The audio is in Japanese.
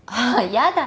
やだ。